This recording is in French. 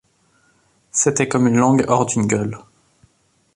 C’était comme une langue hors d’une gueule.